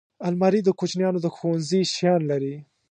الماري د کوچنیانو د ښوونځي شیان لري